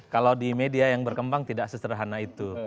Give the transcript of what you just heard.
kalau di media yang berkembang tidak sesederhana itu